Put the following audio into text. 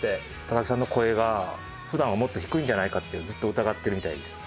高木さんの声が普段はもっと低いんじゃないかってずっと疑ってるみたいです。